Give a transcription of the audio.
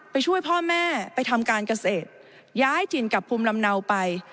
ช่วยพ่อแม่ไปทำการเกษตรย้ายถิ่นกลับภูมิลำเนาไป